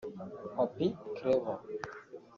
Papy Clever